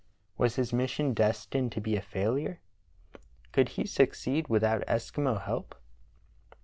Was his mission destined to be a failure? Could he succeed without Eskimo help?